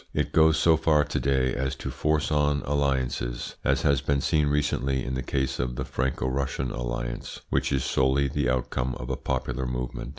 It goes so far to day as to force on alliances, as has been seen recently in the case of the Franco Russian alliance, which is solely the outcome of a popular movement.